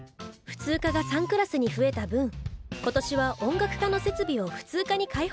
普通科が３クラスに増えた分今年は音楽科の設備を普通科に開放することにしました。